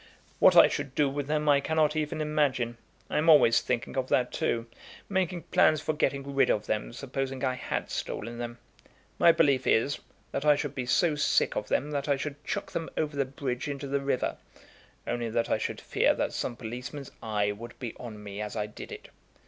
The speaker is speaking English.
"What I should do with them I cannot even imagine. I am always thinking of that, too, making plans for getting rid of them, supposing I had stolen them. My belief is, that I should be so sick of them that I should chuck them over the bridge into the river, only that I should fear that some policeman's eye would be on me as I did it.